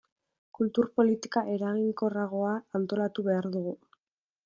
Kultur politika eraginkorragoa antolatu behar dugu.